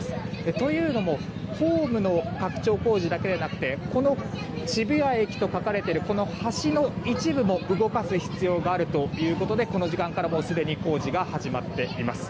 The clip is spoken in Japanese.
というのもホームの拡張工事だけでなくてこの渋谷駅と書かれている橋の一部も動かす必要があるということでこの時間からすでに工事が始まっています。